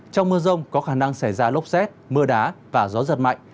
trong mưa rông có khả năng xảy ra lốc xét mưa đá và gió giật mạnh